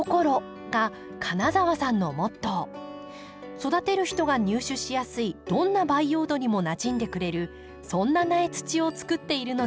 育てる人が入手しやすいどんな培養土にもなじんでくれるそんな苗土をつくっているのです。